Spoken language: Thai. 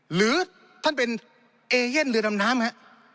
หรือท่านเป็นเอเย่นเรือดำน้ำฮะ